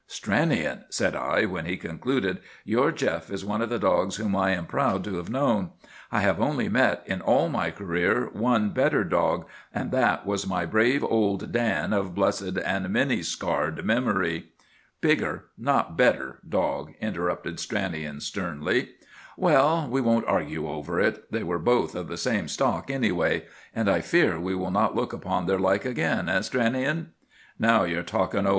"Stranion," said I when he concluded, "your Jeff is one of the dogs whom I am proud to have known. I have only met, in all my career, one better dog, and that was my brave old Dan, of blessed and many scarred memory." "Bigger, not better, dog," interrupted Stranion sternly. "Well, we won't argue over it. They were both of the same stock, anyway; and I fear we will not look upon their like again, eh, Stranion?" "Now you are talking, O.